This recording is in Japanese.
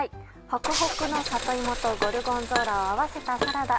ホクホクの里芋とゴルゴンゾーラを合わせたサラダ。